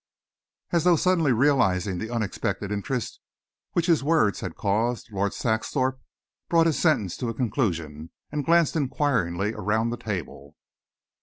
As though suddenly realising the unexpected interest which his words had caused, Lord Saxthorpe brought his sentence to a conclusion and glanced enquiringly around the table.